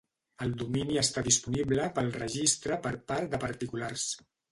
El domini està disponible pel registre per part de particulars.